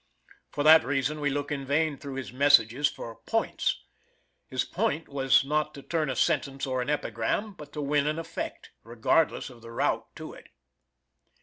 For that reason we look in vain through his messages for "points." His point was not to turn a sentence or an epigram, but to win an effect, regardless of the route to it.